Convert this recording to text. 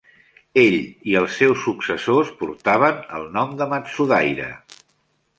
Ell i els seus successors portaven el nom de Matsudaira.